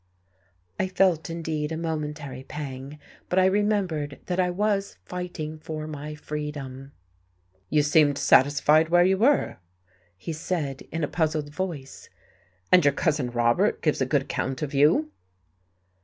I felt indeed a momentary pang, but I remembered that I was fighting for my freedom. "You seemed satisfied where you were," he said in a puzzled voice, "and your Cousin Robert gives a good account of you."